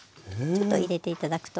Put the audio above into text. ちょっと入れて頂くと。